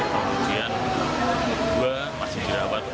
kemudian dua masih dirawat